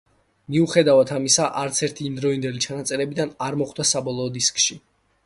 მიუხედავად ამისა, არც ერთი იმდროინდელი ჩანაწერებიდან არ მოხვდა საბოლოო დისკში.